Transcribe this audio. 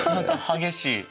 激しい。